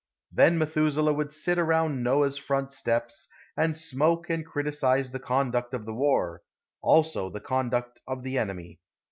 Then Methuselah would sit around Noah's front steps, and smoke and criticise the conduct of the war, also the conduct of the enemy.